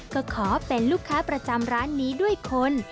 ก็ขอเป็นลูกค้าประจำร้านนี้ด้วยคน